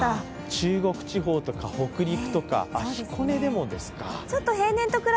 中国地方とか北陸とか、彦根でもですか。